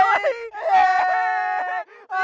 ไม่เอาอย่าเข้ามา